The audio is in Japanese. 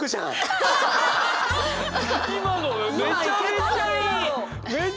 今のめちゃめちゃいいよ。